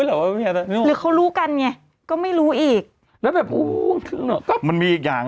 หรือเขารู้กันไงก็ไม่รู้อีกแล้วแบบอู้มันมีอีกอย่าง